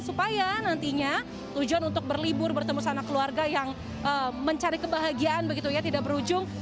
supaya nantinya tujuan untuk berlibur bertemu sana keluarga yang mencari kebahagiaan begitu ya tidak berujung